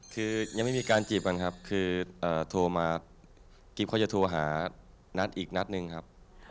คือยังไม่มีการจีบกันครับคือโทรมากกิ๊บเขาจะโทรหานัทอีกนัดหนึ่งครับ